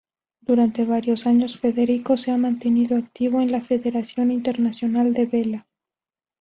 Durante varios años Federico se ha mantenido activo en la Federación Internacional de Vela.